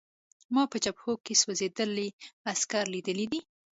ما په جبهو کې سوځېدلي عسکر لیدلي دي